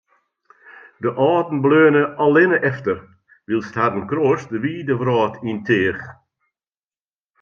De âlden bleaune allinne efter, wylst harren kroast de wide wrâld yn teach.